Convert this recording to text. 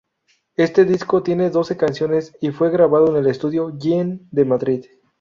Este disco tiene doce canciones y fue grabado en el Estudio Jean en Madrid.